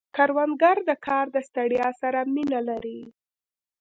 کروندګر د کار د ستړیا سره مینه لري